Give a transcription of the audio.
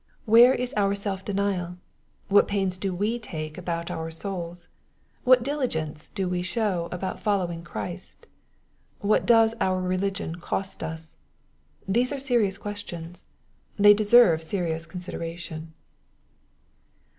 Where is our self denial ? What pains do we take about our souls ? What diligence do we show about following Christ ? What does our religion cost us ? These are serious questions. They deserve serious consideration.